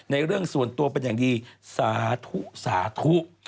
เรื่องส่วนตัวเป็นอย่างดีสาธุสาธุ